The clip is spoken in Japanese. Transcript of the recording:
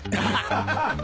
ハハハハ。